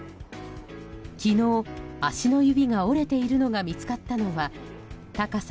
昨日、足の指が折れているのが見つかったのは高さ